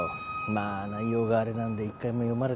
まあ内容があれなんで一回も読まれてねえけど。